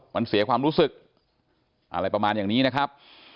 มันเสียความรู้สึกอะไรประมาณอย่างนี้นะครับ